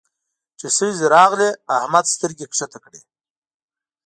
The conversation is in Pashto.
چې ښځې راغلې؛ احمد سترګې کښته کړې.